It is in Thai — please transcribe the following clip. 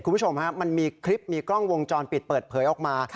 คุณผู้ชมฮะมันมีคลิปมีกล้องวงจรปิดเปิดเผยออกมา